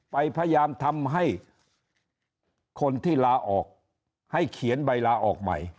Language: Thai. พยายามทำให้คนที่ลาออกให้เขียนใบลาออกใหม่